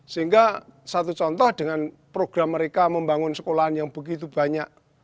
sehingga satu contoh dengan program mereka membangun sekolahan yang begitu banyak